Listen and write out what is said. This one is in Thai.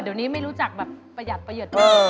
เดี๋ยวนี้ไม่รู้จักแบบประหยัดประหยัดว่า